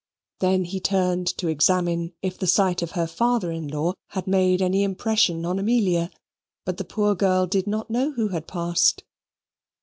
Then he turned to examine if the sight of her father in law had made any impression on Amelia, but the poor girl did not know who had passed.